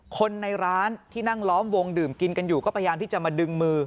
คนในร้านที่นั่งล้อมวงดื่มกินกันอยู่ก็พยายามที่จะมาดึงมือ